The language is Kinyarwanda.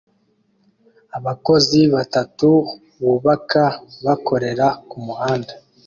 Abakozi batatu bubaka bakorera kumuhanda